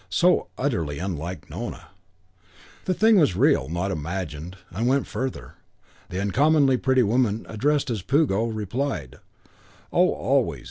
So utterly unlike Nona! And the thing was real, not imagined; and went further. The uncommonly pretty woman addressed as Puggo replied, "Oh, always.